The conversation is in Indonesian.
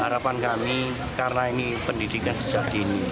harapan kami karena ini pendidikan sejak dini